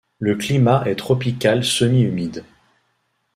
Le climat est tropical semi-humide.